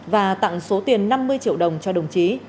và tặng số tiền năm mươi triệu đồng cho đồng chí